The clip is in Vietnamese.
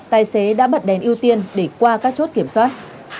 tài xế đã bật đèn ưu tiên để qua các chốt kiểm soát